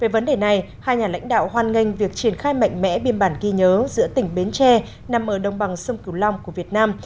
việc triển khai mạnh mẽ biên bản ghi nhớ giữa tỉnh bến tre nằm ở đồng bằng sông cửu long của việt nam